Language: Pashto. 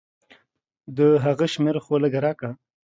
د هغه شميره خو لګه راکه.